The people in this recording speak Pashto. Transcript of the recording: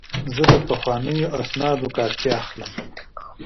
زه د پخوانیو اسنادو کاپي اخلم.